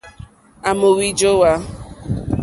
À mò wíjówá.